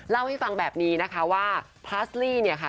เล่าให้ฟังแบบนี้นะคะว่าพลาสลี่เนี่ยค่ะ